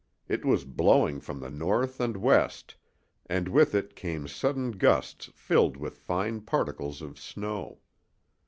It was blowing from the north and west, and with it came sudden gusts filled with fine particles of snow.